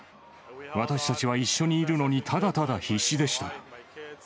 私たちは一緒にいるのにただただ必死でした。